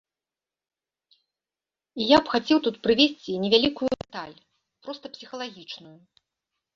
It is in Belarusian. І я б хацеў тут прывесці невялікую дэталь, проста псіхалагічную.